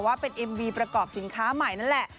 ว่าเป็นเอ็มวีประกอบสินค้าใหม่นั่นแหละ